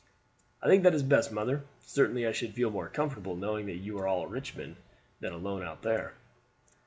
"I think that is best, mother. Certainly I should feel more comfortable knowing that you are all at Richmond than alone out there."